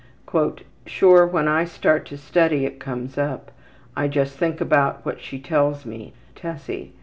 ``Sure, when I start to study it comes up. I just think about what she tells me, Tessie.